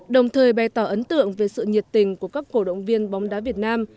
đồng thời bày tỏ ấn tượng về sự nhiệt tình của các cổ động viên bóng đá việt nam